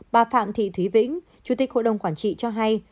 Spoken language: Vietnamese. bà phạm thị thúy vĩnh chủ tịch hội đồng quản trị cho hay